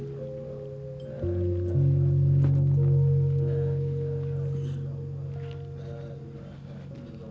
kamu akan batal